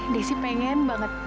desi pengen banget